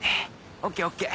ＯＫＯＫ